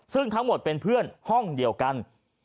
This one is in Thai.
ซึ่งทั้งหมดเป็นเพื่อนห้องเดียวกัน